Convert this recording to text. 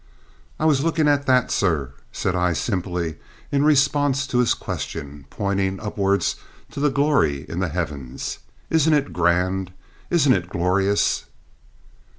"I was looking at that, sir," said I simply, in response to his question, pointing upwards to the glory in the heavens. "Isn't it grand? Isn't it glorious?"